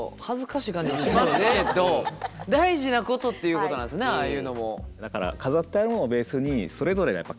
ちょっと大事なことっていうことなんですねああいうのも。